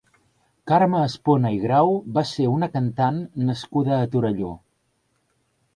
Carme Espona i Grau va ser una cantant nascuda a Torelló.